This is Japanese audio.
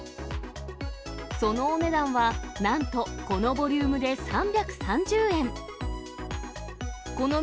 そのお値段は、なんとこのボリュームで３３０円。